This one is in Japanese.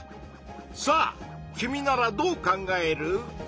さあ君ならどう考える？